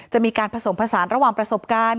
จะมีการผสมผสานระหว่างประสบการณ์